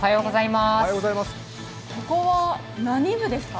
ここは何部ですか？